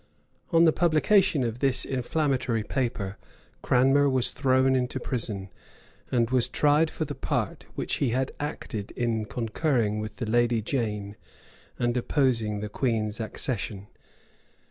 On the publication of this inflammatory paper Cranmer was thrown into prison, and was tried for the part which he had acted in concurring with the lady Jane, and opposing the queen's accession.